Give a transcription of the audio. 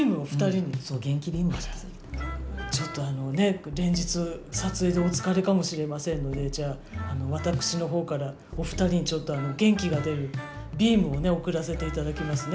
ちょっとね、連日撮影でお疲れかもしれませんのでじゃあ、私のほうからお二人に、ちょっと元気が出るビームを送らせていただきますね。